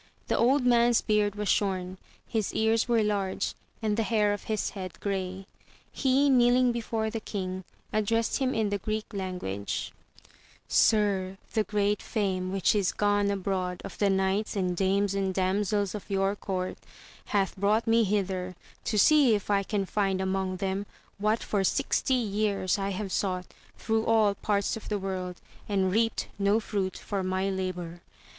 The old man's beard was shorn, his ears were large, and the hair of his head grey. He, kneeling before the king, addressed him in the Greek language : Sir, the great fame which is gone abroad of the knights and dames and damsels of your court hath brought me hither, to see if I can find among them what for sixty years I have sought through all parts of the world, and reaped no fruit for my labour.